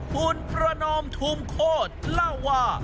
คุณพระนอมทุมโฆษ์ล่าว่า